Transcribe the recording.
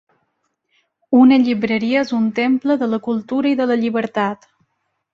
Una llibreria és un temple de la cultura i de la llibertat.